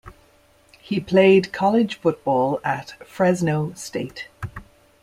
He played college football at Fresno State.